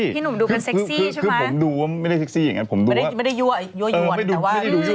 พี่หมดก็แต่งตัวอย่างนี้ไม่เห็น